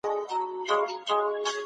هغه د خپل زړه په روغ ساتلو بوخت دی.